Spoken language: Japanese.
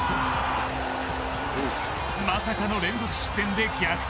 まさかの連続失点で逆転